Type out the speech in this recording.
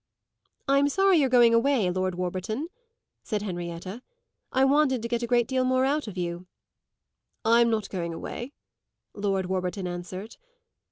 "I'm sorry you're going away, Lord Warburton," said Henrietta. "I wanted to get a great deal more out of you." "I'm not going away," Lord Warburton answered.